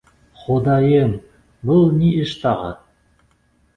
— Хоҙайым, был ни эш тағы?